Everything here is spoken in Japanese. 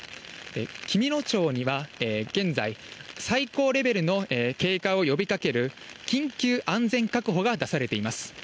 紀美野町には現在、最高レベルの警戒を呼びかける、緊急安全確保が出されています。